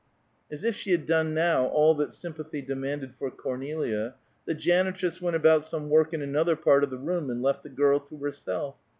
As if she had done now all that sympathy demanded for Cornelia, the janitress went about some work in another part of the room and left the girl to herself.